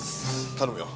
頼むよ。